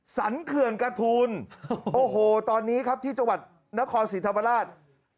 เขื่อนกระทูลโอ้โหตอนนี้ครับที่จังหวัดนครศรีธรรมราช